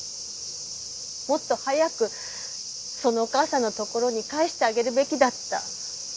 もっと早くそのお母さんのところに返してあげるべきだった。